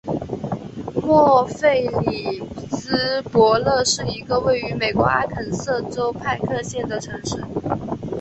默弗里斯伯勒是一个位于美国阿肯色州派克县的城市。